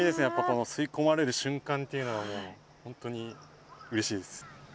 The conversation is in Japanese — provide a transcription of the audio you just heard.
この吸い込まれる瞬間というのは本当にうれしいです。